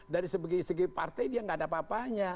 tapi sebagai segi partai dia tidak ada apa apanya